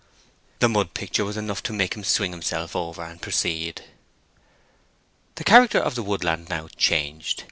The mud picture was enough to make him swing himself over and proceed. The character of the woodland now changed.